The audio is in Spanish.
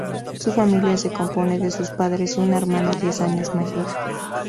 Su familia se compone de sus padres y una hermana diez años mayor.